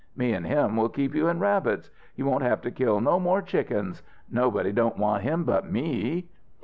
Me an' him will keep you in rabbits. You won't have to kill no more chickens. Nobody don't want him but me!"